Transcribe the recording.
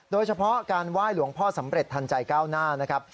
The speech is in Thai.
โดยเฉพาะการไหว้หลวงพ่อสำเร็จทันใจก้าวหน้านะครับ